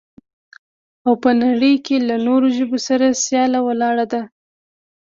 او په نړۍ کې له نورو ژبو سره سياله ولاړه ده.